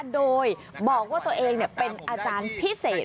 โดยบอกว่าตัวเองเป็นอาจารย์พิเศษ